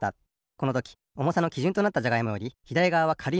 このときおもさのきじゅんとなったじゃがいもよりひだりがわはかるい